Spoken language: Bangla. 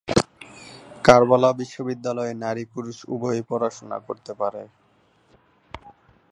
কারবালা বিশ্ববিদ্যালয়ে নারী পুরুষ উভয়েই পড়াশোনা করতে পারে।